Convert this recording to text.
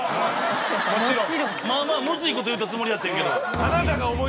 まぁまぁむずいこと言うたつもりやってんけど。